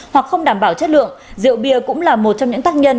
hoặc không đảm bảo chất lượng rượu bia cũng là một trong những tác nhân